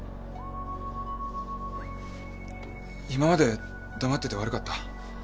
今まで黙ってて悪かった。